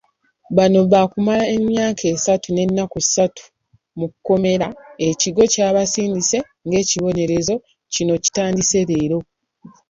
Bano baakumala emyaka esatu n'ennaku satu mu kkomera e Kigo gy'abasindise ng'ekibonerezo kino kitandise leero.